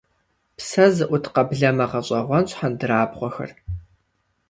Псэ зыӀут къэблэмэ гъэщӏэгъуэнщ хьэндырабгъуэхэр.